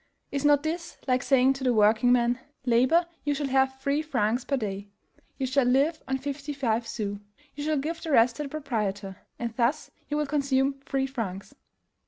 Is not this like saying to the workingman, "Labor, you shall have three francs per day; you shall live on fifty five sous; you shall give the rest to the proprietor, and thus you will consume three francs"?